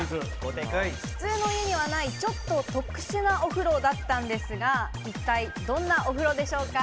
普通の家にはない、ちょっと特殊なお風呂だったんですが、一体どんなお風呂でしょうか？